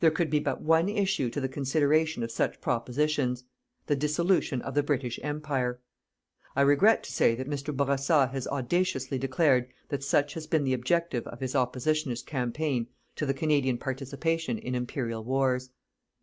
There could be but one issue to the consideration of such propositions: the dissolution of the British Empire. I regret to say that Mr. Bourassa has audaciously declared that such has been the objective of his oppositionist campaign to the Canadian participation in Imperial wars.